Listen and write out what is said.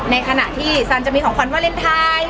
ในขณะที่ซันจะมีของขวัญวาเลนไทย